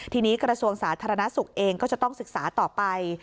ทีนี้กระทรวงสาธารณสุขเองก็จะต้องศึกษาต่อไป